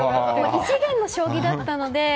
異次元の将棋だったので。